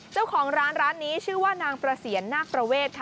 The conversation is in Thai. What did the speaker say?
เจ้าของร้านร้านนี้ชื่อว่านางประเสียนนาคประเวทค่ะ